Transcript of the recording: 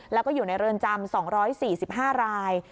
แล้วก็อยู่ในเรือนจำ๒๔๕ราย